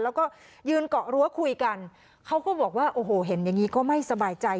แล้วก็ยืนเกาะรั้วคุยกันเขาก็บอกว่าโอ้โหเห็นอย่างนี้ก็ไม่สบายใจ